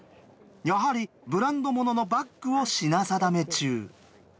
やはりブランド物のバッグを品定め中。